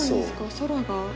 空が？